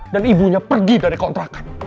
dan ibunya pergi dari kontrakan